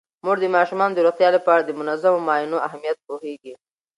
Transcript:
مور د ماشومانو د روغتیا لپاره د منظمو معاینو اهمیت پوهیږي.